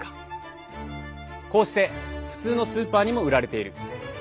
こうして普通のスーパーにも売られている。